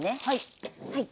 はい。